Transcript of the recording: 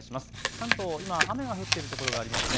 関東、今雨が降っている所がありますね。